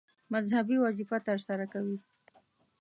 مذهبي وظیفه ترسره کوي.